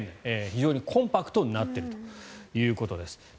非常にコンパクトになっているということです。